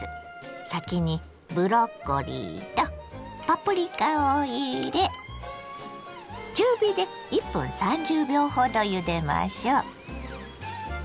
先にブロッコリーとパプリカを入れ中火で１分３０秒ほどゆでましょ。